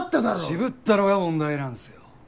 渋ったのが問題なんすよ。